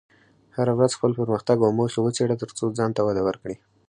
هره ورځ خپل پرمختګ او موخې وڅېړه، ترڅو ځان ته وده ورکړې.